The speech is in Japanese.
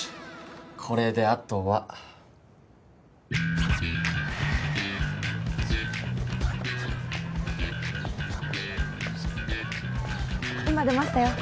これであとはふっ今出ましたよ